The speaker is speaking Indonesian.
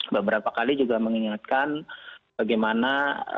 beberapa kali juga mengingatkan bagaimana